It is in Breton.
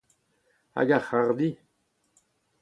Hag ar c’harrdi ?